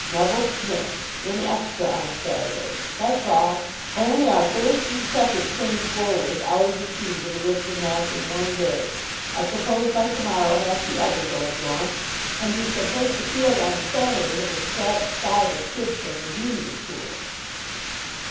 "Neville Smith. In extra on Saturday. That's all. Only our first and second change bowlers out of the team for the Ripton match in one day. I suppose by to morrow half the others'll have gone, and we shall take the field on Saturday with a scratch side of kids from the Junior School."